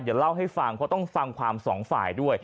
เดี๋ยวเล่าให้ฟังเพราะต้องฟังความสองฝ่ายด้วย